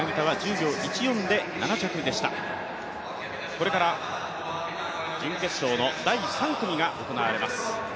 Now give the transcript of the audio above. これから準決勝の第３組が行われます。